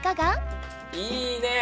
いいね！